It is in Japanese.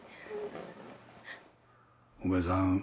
おめさん